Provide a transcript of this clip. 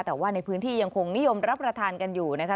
แต่ว่าในพื้นที่ยังคงนิยมรับประทานกันอยู่นะคะ